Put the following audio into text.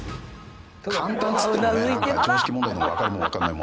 簡単っつってもねなんか常識問題のわかるもわからないも。